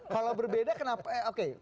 kalau berbeda kenapa oke